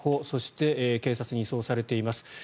そして警察に移送されています。